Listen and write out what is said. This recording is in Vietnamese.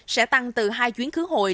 sẽ tăng từ hai chuyến khứ hội